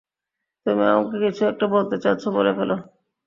তুমি আমাকে কিছু একটা বলতে চাচ্ছ, বলে ফেল।